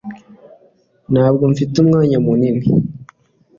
Ntabwo mfite umwanya munini